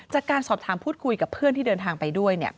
จากการสอบถามพูดคุยกับเพื่อนที่เดินทางไปด้วยเนี่ย